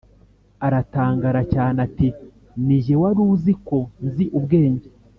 aratangara cyane ati: “Ni ge wari uzi ko nzi ubwenge,